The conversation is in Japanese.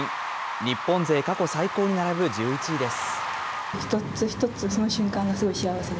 日本勢過去最高に並ぶ１１位です。